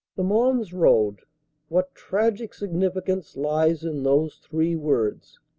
The Mons Road! What tragic significance lies in those three words!